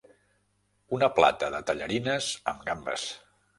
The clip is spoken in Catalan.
Una plata de tallarines amb gambes.